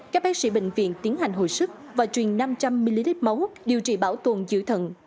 các bác sĩ bệnh viện tiến hành hồi sức và truyền năm trăm linh ml máu điều trị bảo tồn giữ thận